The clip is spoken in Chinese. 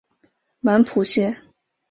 满浦线